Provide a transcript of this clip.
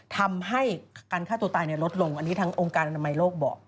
ทำให้การฆ่าตัวตายลดลงอันนี้ทางองค์การอนามัยโลกบอก